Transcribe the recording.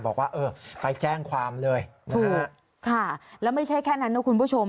บอกว่าเออไปแจ้งความเลยนะฮะค่ะแล้วไม่ใช่แค่นั้นนะคุณผู้ชม